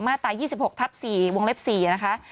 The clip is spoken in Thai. ตราย๒๖ทับ๔วงเล็บ๔นะคะ